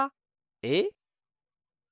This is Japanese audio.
えっ？